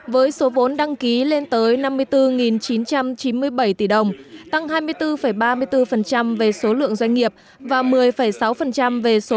với số vốn đăng ký lên tới năm mươi bốn chín trăm chín mươi bảy tỷ đồng tăng hai mươi bốn ba mươi bốn về số lượng doanh nghiệp và một mươi sáu về số